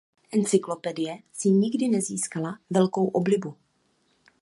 Encyklopedie si nikdy nezískala velkou oblibu.